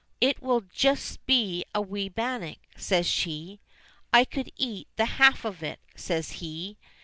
"It will just be a wee bannock," says she. "I could eat the half of it," says he.